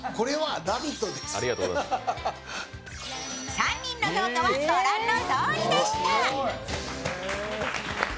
３人の評価はご覧のとおりでした。